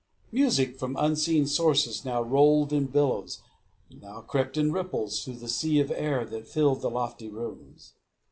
Music, from unseen sources, now rolled in billows, now crept in ripples through the sea of air that filled the lofty rooms.